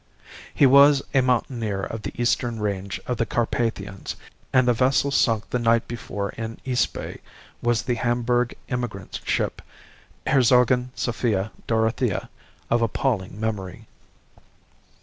"He was a mountaineer of the eastern range of the Carpathians, and the vessel sunk the night before in Eastbay was the Hamburg emigrant ship Herzogin Sophia Dorothea, of appalling memory.